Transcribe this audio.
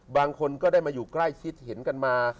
บางคนก็ได้มาอยู่ใกล้ชิดเห็นกันมา